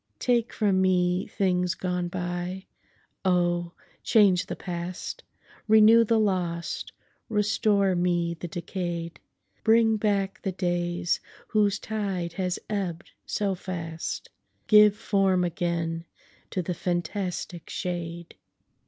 Take from me things gone by—oh! change the past—Renew the lost—restore me the decay'd;—Bring back the days whose tide has ebb'd so fast—Give form again to the fantastic shade!